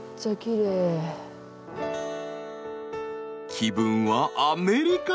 気分はアメリカ！